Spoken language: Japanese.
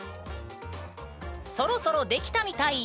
そろそろ出来たみたい！